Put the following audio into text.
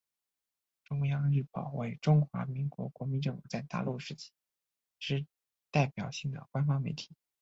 中央日报为中华民国国民政府在大陆时期之代表性的官方媒体。